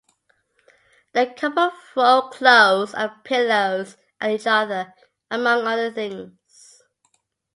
The couple throw clothes and pillows at each other, among other things.